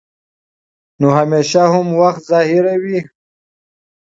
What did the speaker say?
نو همېشه هم وخت ظاهروي